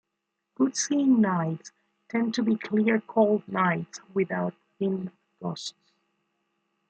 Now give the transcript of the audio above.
Good seeing nights tend to be clear, cold nights without wind gusts.